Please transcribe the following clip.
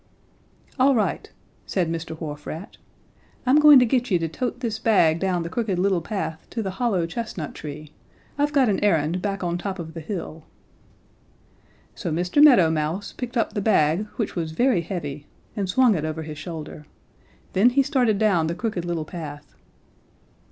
"'All right,' said Mr. Wharf Rat. 'I'm going to get you to tote this bag down the Crooked Little Path to the hollow chestnut tree. I've got an errand back on top of the hill.' "So Mr. Meadow Mouse picked up the bag, which was very heavy, and swung it over his shoulder. Then he started down the Crooked Little Path.